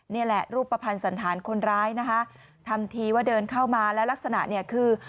นี่แหละรูปภัณฑ์สันธารคนร้ายนะคะทำทีว่าเดินเข้ามาแล้วลักษณะเนี่ยคือ